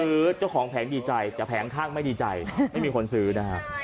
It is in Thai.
เจ้าของแผงดีใจแต่แผงข้างไม่ดีใจไม่มีคนซื้อนะฮะ